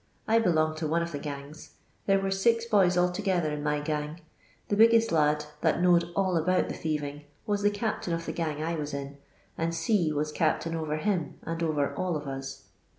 I be longed to one of the gangs. There were six boys altogether in my gang; the biggest lad, that knowed all about the thieving, was the captain of the gang I was in, and C was captain over him and over all of us.